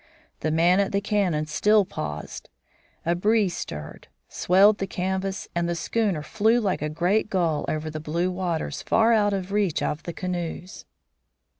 The man at the cannon still paused. A breeze stirred, swelled the canvas, and the schooner flew like a great gull over the blue waters far out of reach of the canoes.